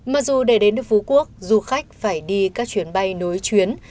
mặc dù để đến được phú quốc du khách phải đi các chuyến bay nối chuyến